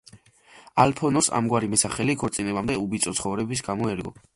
ალფონსოს ამგვარი მეტსახელი ქორწინებამდე უბიწო ცხოვრების გამო ერგო.